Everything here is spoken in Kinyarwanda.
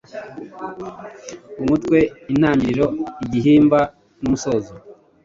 umutwe, intangiriro, igihimba n’umusozo.